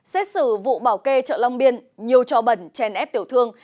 xét xử vụ bảo kê chợ long biên nhiều trò bẩn chèn ép tiểu thương